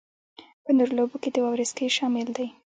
په نورو لوبو کې د واورې سکی شامل دی